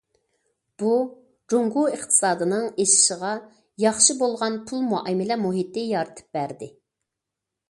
بۇ جۇڭگو ئىقتىسادىنىڭ ئېشىشىغا ياخشى بولغان پۇل مۇئامىلە مۇھىتى يارىتىپ بەردى.